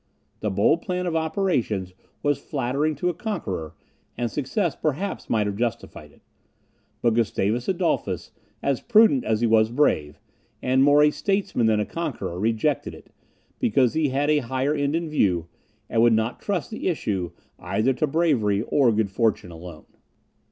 This bold plan of operations was flattering to a conqueror, and success perhaps might have justified it. But Gustavus Adolphus, as prudent as he was brave, and more a statesman than a conqueror, rejected it, because he had a higher end in view, and would not trust the issue either to bravery or good fortune alone.